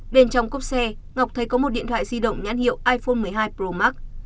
bên trong cốp xe ngọc thấy có một điện thoại di động nhãn hiệu iphone một mươi hai pro max